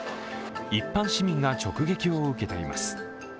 一般市民が直撃を受けています。